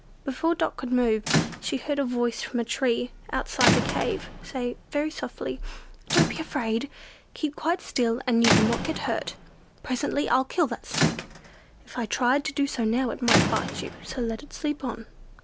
Before Dot could move, she heard a voice from a tree, outside the cave, say, very softly, "Don't be afraid! Keep quite still, and you will not get hurt. Presently I'll kill that Snake. If I tried to do so now it might bite you; so let it sleep on."